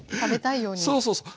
そうそうそう。